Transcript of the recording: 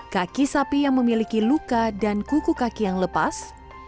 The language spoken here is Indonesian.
kaki sapi yang memiliki luka dan kuku kaki yang lepas